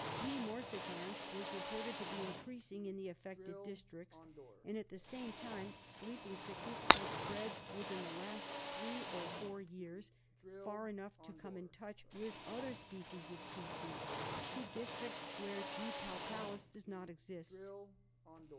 G. morsitans was reported to be increasing in the affected districts, and at the same time sleeping sickness had spread within the last three or four years far enough to come in touch with other species of tsetse, to districts where the G. palpalis does not exist.